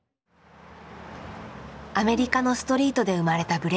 アメリカのストリートで生まれたブレイキン。